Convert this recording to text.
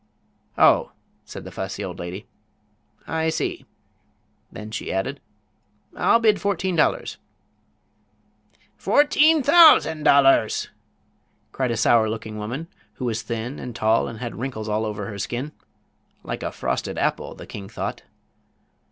"Oh," said the fussy old lady, "I see." Then she added: "I'll bid fourteen dollars." "Fourteen thousand dollars!" cried a sour looking woman who was thin and tall and had wrinkles all over her skin—"like a frosted apple," the king thought.